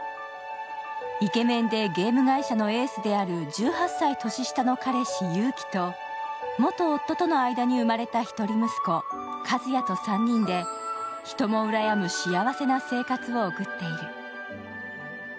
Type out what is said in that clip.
イケメンでゲーム会社のエースである１８歳年下の彼氏・ゆうきと、元夫との間に生まれた一人息子・かずやと３人で人もうらやむ幸せな生活を送っている。